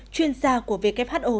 chuyên gia của who